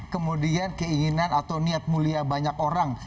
kemudian keinginan atau niat mulia banyak orang